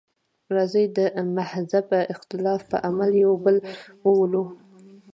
راځئ د مهذب اختلاف په عمل یو بل وولو.